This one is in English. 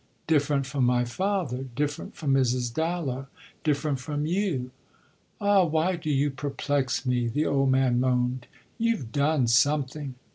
"Different from my father. Different from Mrs. Dallow. Different from you." "Ah why do you perplex me?" the old man moaned. "You've done something."